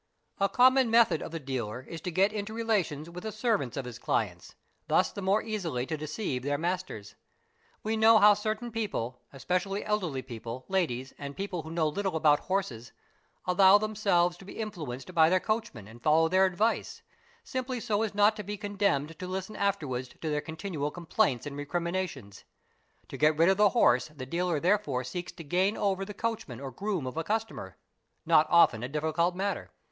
A common method of the dealer is to get into relations with the servants of his clients, thus the more easily to deceive their masters. We know how certain people, especially elderly people, ladies, and people who know little about horses, allow themselves to be influenced by their coachmen and follow their advice, simply so as not to be condemned to | listen afterwards to their continual complaints and recriminations. ''T'o get rid of the horse the dealer therefore seeks to gain over the coachman or groom of a customer,—not often a difficult matter.